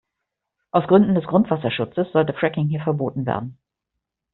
Aus Gründen des Grundwasserschutzes sollte Fracking hier verboten werden.